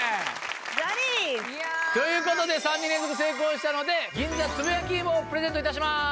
ジャニーズ！ということで３人連続成功したので銀座つぼやきいもをプレゼントいたします。